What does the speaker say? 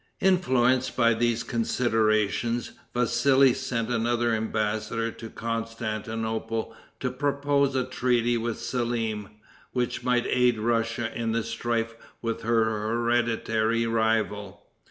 Influenced by these considerations, Vassili sent another embassador to Constantinople to propose a treaty with Selim, which might aid Russia in the strife with her hereditary rival.